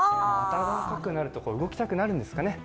暖かくなると、動きたくなるんですかね？